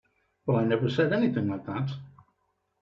But I never said anything like that.